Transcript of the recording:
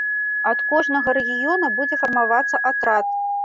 Ад кожнага рэгіёна будзе фармавацца атрад.